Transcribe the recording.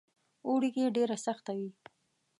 اوړي کې ډېره سخته وي.